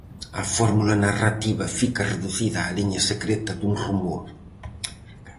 A fórmula narrativa fica reducida á liña secreta dun rumor.